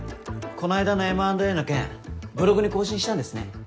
こないだのＭ＆Ａの件ブログに更新したんですね。